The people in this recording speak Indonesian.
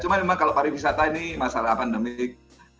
cuma memang kalau pariwisata ini masalah pandemik